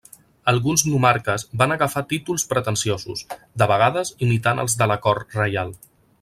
Alguns nomarques van agafar títols pretensiosos, de vegades imitant els de la cort reial.